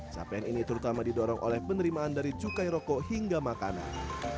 capaian ini terutama didorong oleh penerimaan dari cukai rokok hingga makanan